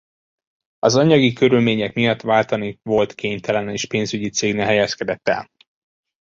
Az anyagi körülmények miatt váltani volt kénytelen és pénzügyi cégnél helyezkedett el.